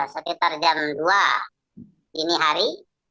sekitar jam dua dini hari